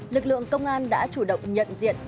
lực lượng công an đã chủ động nhận diện